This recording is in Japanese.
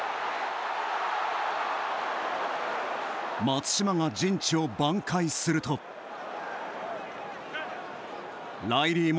松島が陣地を挽回するとライリーも。